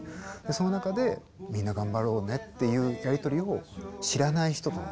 その中でみんな頑張ろうねっていうやり取りを知らない人とできた。